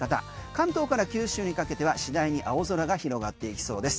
関東から九州にかけては次第に青空が広がっていきそうです。